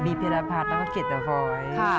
บีพิระพัฒน์แล้วก็กิตเดอะฟอยส์